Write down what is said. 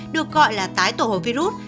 được gọi là tái tổ hợp virus